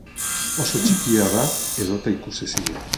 Oso txikia da edota ikusezina.